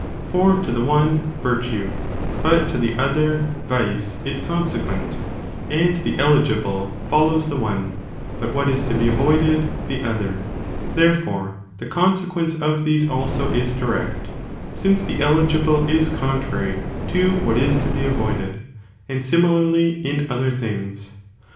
to the one, virtue, but to the other, vice, is consequent, and the eligible follows the one, but what is to be avoided, the other, therefore the consequence of these also is direct, since the eligible is contrary to what is to be avoided, and similarly in other things.